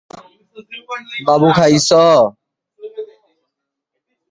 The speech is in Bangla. কারণ করোনার মৃত্যুর কারণ নিউমোনিয়া হিসেবে তালিকাভুক্ত করেন।